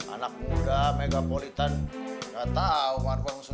anak muda megapolitan nggak tau